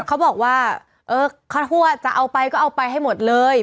เขาบอกว่าเออข้าวทั่วจะเอาไปก็เอาไปให้หมดเลย